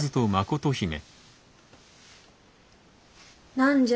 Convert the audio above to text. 何じゃ？